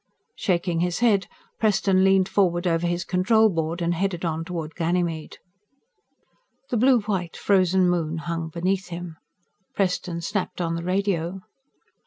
Shaking his head, Preston leaned forward over his control board and headed on toward Ganymede. The blue white, frozen moon hung beneath him. Preston snapped on the radio.